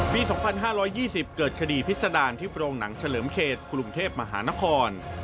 ปี๒๕๒๐เกิดคดีพิษดารที่โรงหนังเฉลิมเขตกรุงเทพมหานคร